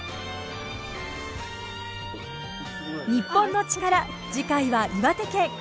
『日本のチカラ』次回は岩手県。